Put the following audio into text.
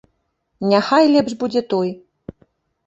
Няхай лепш будзе той.